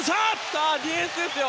さあディフェンスですよ。